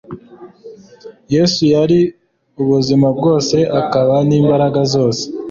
Yesu yari ubuzima bwose akaba n'imbaraga zose.